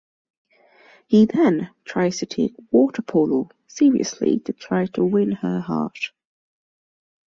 He then tries to take water polo seriously to try to win her heart.